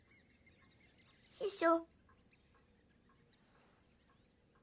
師匠。